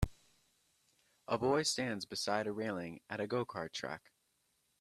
A boy stands beside a railing at a go kart track.